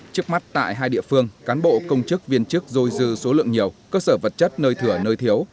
trước mắt tại hai địa phương cán bộ công chức viên chức dôi dư số lượng nhiều cơ sở vật chất nơi thửa nơi thiếu